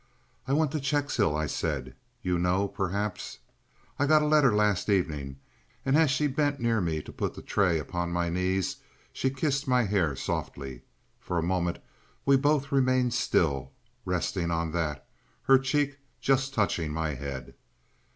"I went to Checkshill," I said. "You know—perhaps—?" "I got a letter last evening, dear," and as she bent near me to put the tray upon my knees, she kissed my hair softly. For a moment we both remained still, resting on that, her cheek just touching my head.